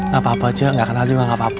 gapapa ce gapenal juga gapapa